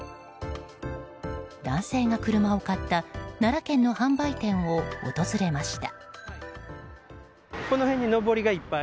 男性は車を買った奈良県の販売店を訪れました。